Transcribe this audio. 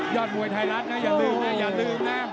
มวยไทยรัฐนะอย่าลืมนะอย่าลืมนะ